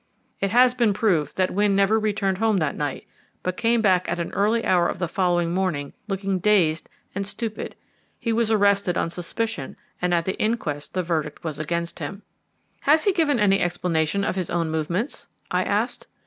It has been proved that Wynne never returned home that night, but came back at an early hour on the following morning, looking dazed and stupid. He was arrested on suspicion, and at the inquest the verdict was against him." "Has he given any explanation of his own movements?" I asked.